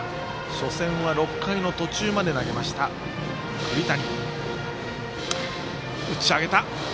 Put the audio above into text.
初戦は６回途中まで投げました栗谷。